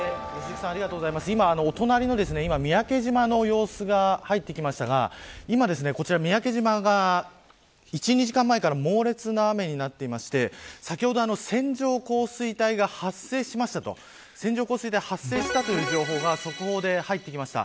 今、隣の三宅島の様子が入ってきましたが今、三宅島が１、２時間前から猛烈な雨になっていて先ほど線状降水帯が発生しましたと速報で情報が入ってきました。